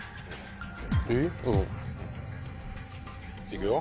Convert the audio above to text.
いくよ。